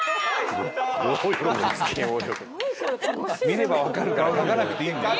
見ればわかるから書かなくていいんだよ。